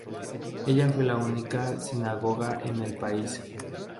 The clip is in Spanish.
Ella fue la única sinagoga en el país.